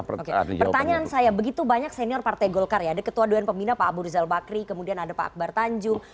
pertanyaan saya begitu banyak senior partai golkar ya ada ketua dewan pembina pak abu rizal bakri kemudian ada pak akbar tanjung